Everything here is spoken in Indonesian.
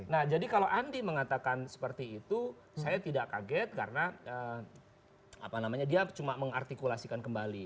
nah jadi kalau andi mengatakan seperti itu saya tidak kaget karena dia cuma mengartikulasikan kembali